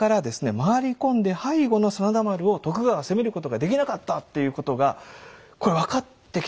回り込んで背後の真田丸を徳川は攻めることができなかったっていうことがこれ分かってきた。